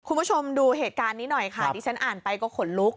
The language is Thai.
คุณผู้ชมดูเหตุการณ์นี้หน่อยค่ะดิฉันอ่านไปก็ขนลุก